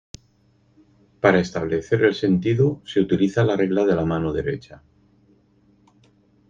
Para establecer el sentido se utiliza la regla de la mano derecha.